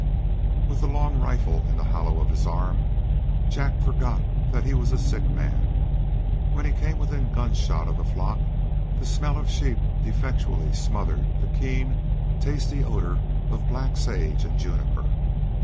With the long rifle in the hollow of his arm Jack forgot that he was a sick man. When he came within gunshot of the flock the smell of sheep effectually smothered the keen, tasty odor of black sage and juniper.